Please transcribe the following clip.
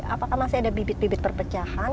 apakah masih ada bibit bibit perpecahan